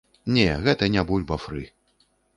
Не, гэта не бульба-фры.